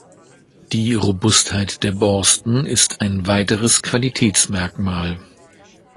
Die Robustheit der Borsten ist ein weiteres Qualitätsmerkmal.